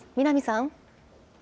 南さん。